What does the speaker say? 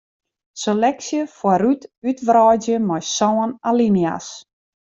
Seleksje foarút útwreidzje mei sân alinea's.